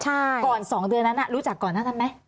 ก่อน๒เดือนนั้นรู้จักก่อนหน้านั้นไหม